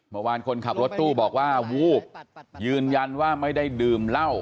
คนขับรถตู้บอกว่าวูบยืนยันว่าไม่ได้ดื่มเหล้า